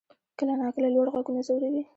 کله ناکله لوړ غږونه ځوروي.